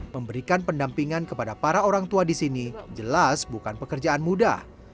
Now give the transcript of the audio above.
memberikan pendampingan kepada para orang tua di sini jelas bukan pekerjaan mudah